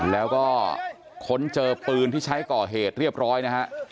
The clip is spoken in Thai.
แล้วก็ค้นเจอปืนที่ใช้ก่อเหตุเรียบร้อยนะฮะ